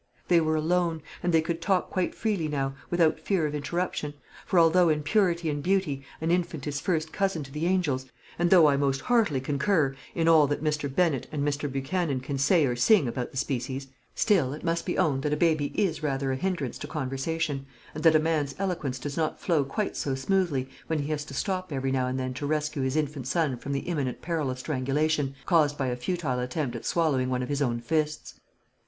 They were alone, and they could talk quite freely now, without fear of interruption; for although in purity and beauty an infant is first cousin to the angels, and although I most heartily concur in all that Mr. Bennett and Mr. Buchanan can say or sing about the species, still it must be owned that a baby is rather a hindrance to conversation, and that a man's eloquence does not flow quite so smoothly when he has to stop every now and then to rescue his infant son from the imminent peril of strangulation, caused by a futile attempt at swallowing one of his own fists.